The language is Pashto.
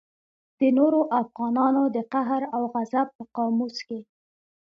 د نورو افغانانو د قهر او غضب په قاموس کې.